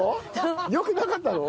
よくなかったの？